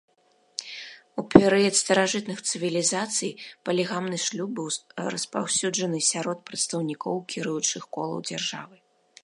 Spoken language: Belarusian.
У перыяд старажытных цывілізацый палігамны шлюб быў распаўсюджаны сярод прадстаўнікоў кіруючых колаў дзяржавы.